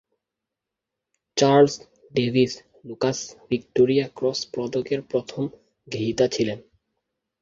Charles Davis Lucas Victoria Cross পদকের প্রথম গ্রহীতা ছিলেন।